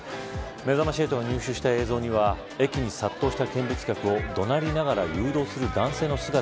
めざまし８が入手した映像には駅に殺到した見物客を怒鳴りながら誘導する男性の姿。